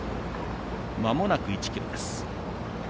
まもなく１ｋｍです。